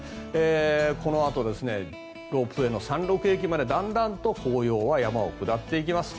このあとロープウェーの山麓駅までだんだんと紅葉は山を下っていきます。